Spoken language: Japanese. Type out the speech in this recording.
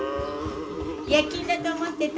夜勤だと思ってた。